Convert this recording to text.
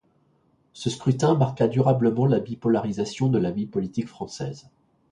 Ce scrutin marqua durablement la bipolarisation de la vie politique française.